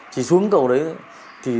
chỉ xuống cầu đấy thôi